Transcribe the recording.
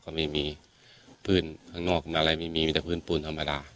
ก็ไม่มีพื้นข้างนอกอะไรไม่มีมีแต่พื้นปูนธรรมดา